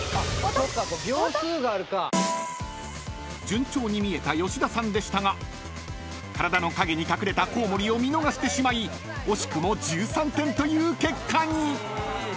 ［順調に見えた吉田さんでしたが体の陰に隠れたコウモリを見逃してしまい惜しくも１３点という結果に］